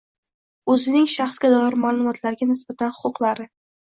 o‘zining shaxsga doir ma’lumotlariga nisbatan huquqlari